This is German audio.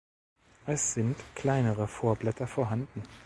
Es sind kleinere Vorblätter vorhanden.